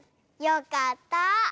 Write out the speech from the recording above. よかった。